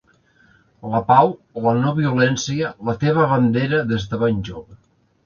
La pau, la no-violència, la teva bandera des de ben jove.